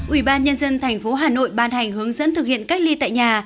ủy ban nhân dân thành phố hà nội ban hành hướng dẫn thực hiện cách ly tại nhà